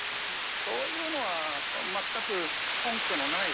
そういうのは全く根拠のない。